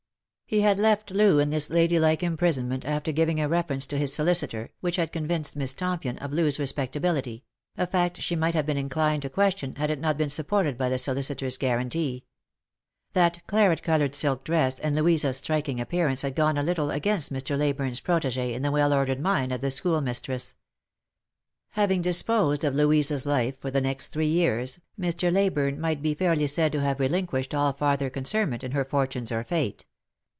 He had left Loo in this ladylike imprisonment, after giving a reference to his solicitor, which had convinced Miss Tompion of Loo's respectability ; a fact she might have been inclined to question, had it not been supported by the solicitor's guarantee. That claret coloured silk dress and Louisa's striking appearance 132 Lost for Love. had gone a little against Mr. Leyburne's protegee in the well ordered mind of the schoolmistress. Having disposed of Louisa's life for the next three years, Mr. Leyburne might be fairly said to have relinqnished all farther concernment in her fortunes or fate.